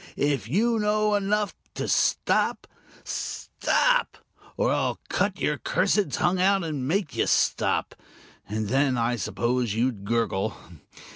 "If you know enough to stop. Stop! or I'll cut your cursed tongue out and make you stop. And then, I suppose, you'd gurgle.